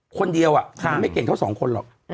คนเดียวมันไม่เก่งเขาสองคนหรอก